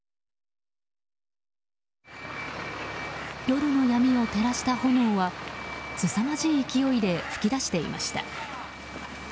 夜の闇を照らした炎はすさまじい勢いで噴き出していました。